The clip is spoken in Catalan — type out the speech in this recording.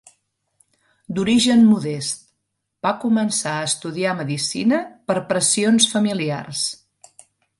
D'origen modest, va començar a estudiar medicina per pressions familiars.